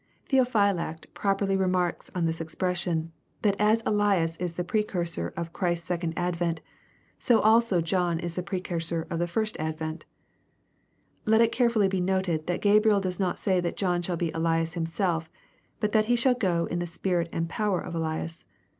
] Theophylact properly ;remarks on this expression, that '^ as Elias is the precursor of Christ's sec ond advent, so also John is the precursor of the first advent" Let it be carefully noted that G abriel does not say that John shall be Elias himself, but that he shall go " in the spirit and power of Eliaa."